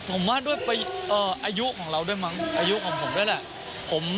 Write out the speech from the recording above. ผมว่าด้วยอายุของเราด้วยมั้งอายุของผมด้วยแหละ